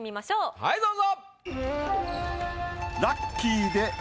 はいどうぞ。